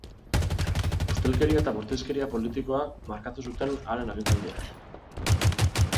Ustelkeria eta bortizkeria politikoa markatu zuten haren agintaldia.